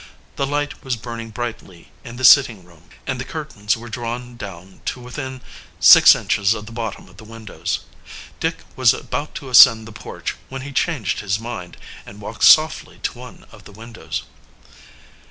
A light was burning brightly in the sitting room, and the curtains were drawn down to within six inches of the bottom of the windows. Dick was about to ascend the porch, when he changed his mind and walked softly to one of the windows.